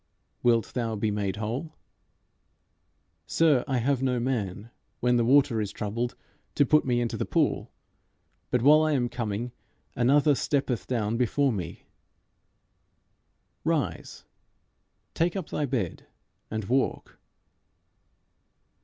"Wilt thou be made whole?" "Sir, I have no man, when the water is troubled, to put me into the pool: but while I am coming, another steppeth down before me." "Rise, take up thy bed, and walk."